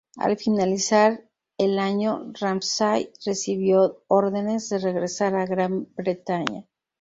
Al finalizar el año Ramsay recibió órdenes de regresar a Gran Bretaña.